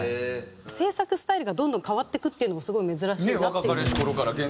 制作スタイルがどんどん変わっていくっていうのもすごい珍しいなっていう風に思いました。